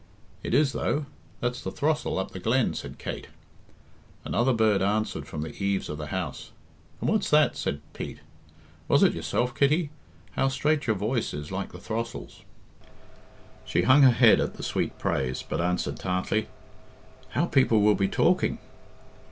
"It is, though. That's the throstle up the glen," said Kate. Another bird answered from the eaves of the house. "And what's that?" said Pete. "Was it yourself, Kitty? How straight your voice is like the throstle's!" She hung her head at the sweet praise, but answered tartly, "How people will be talking!"